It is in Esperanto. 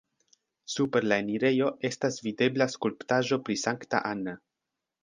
Super la enirejo estas videbla skulptaĵo pri Sankta Anna.